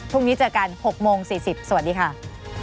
พรุ่งนี้เจอกัน๖โมง๔๐สวัสดีค่ะ